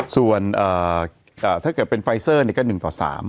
ส่วนถ้าเกิดเป็นไฟเซอร์ก็๑ต่อ๓